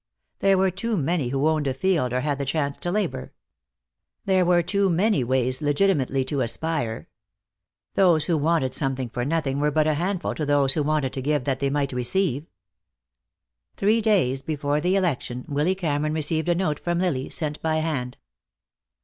There were too many who owned a field or had the chance to labor. There were too many ways legitimately to aspire. Those who wanted something for nothing were but a handful to those who wanted to give that they might receive. Three days before the election, Willy Cameron received a note from Lily, sent by hand.